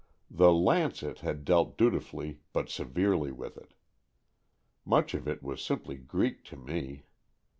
The Lancet had dealt dutifully but severely with it. Much of it was simply Greek to me.